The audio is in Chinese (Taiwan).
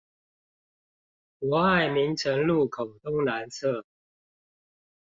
博愛明誠路口東南側